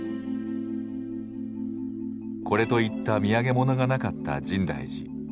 これといった土産物がなかった深大寺。